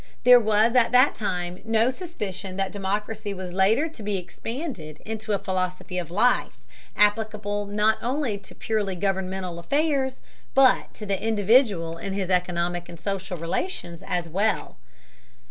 There was at that time no suspicion that democracy was later to be expanded into a philosophy of life, applicable not only to purely governmental affairs, but to the individual in his economic and social relations as well.